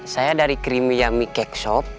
saya dari creamy yummy cake shop